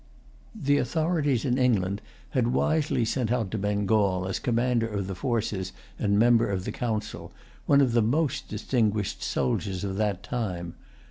The authorities in England had wisely sent out to Bengal, as commander of the forces and member of the Council, one of the most distinguished soldiers of that time.